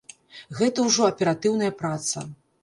Гэта ўжо аператыўная праца.